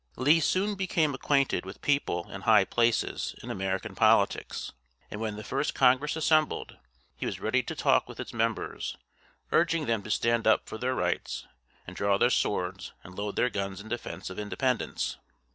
Lee soon became acquainted with people in high places in American politics; and when the first Congress assembled, he was ready to talk with its members, urging them to stand up for their rights, and draw their swords and load their guns in defense of independence.